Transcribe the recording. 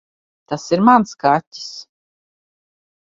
Tas ir mans kaķis.